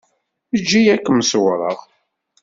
Eǧǧ-iyi ad kem-ṣewwreɣ.